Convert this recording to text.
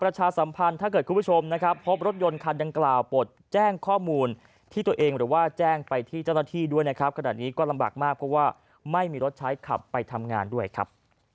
ประชาสัมพันธ์ถ้าเกิดคุณผู้ชมนะครับพบรถยนต์คันดังกล่าวปลดแจ้งข้อมูลที่ตัวเองหรือว่าแจ้งไปที่เจ้าหน้าที่ด้วยนะครับขนาดนี้ก็ลำบากมากเพราะว่าไม่มีรถใช้ขับไปทำงานด้วยครับ